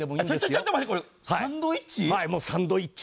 ちょっと待ってくださいサンドイッチ？